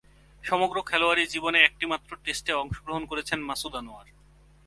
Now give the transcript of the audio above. সমগ্র খেলোয়াড়ী জীবনে একটিমাত্র টেস্টে অংশগ্রহণ করেছেন মাসুদ আনোয়ার।